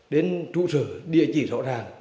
đến trụ sở địa chỉ rõ ràng